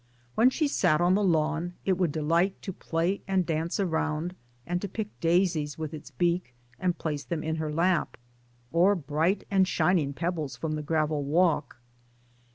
When she sat on the lawn it would delight to play and dance around, and to pick daisies with its beak and place them in her lap, or bright and shining pebbles from the gravel walk.